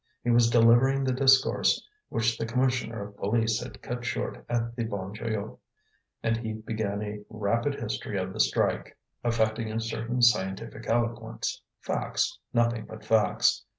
He was delivering the discourse which the commissioner of police had cut short at the Bon Joyeux; and he began by a rapid history of the strike, affecting a certain scientific eloquence facts, nothing but facts.